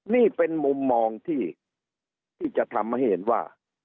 นี่เป็นมุมมองที่จะทำให้เห็นว่า